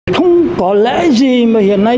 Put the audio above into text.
không có lẽ gì mà hiện nay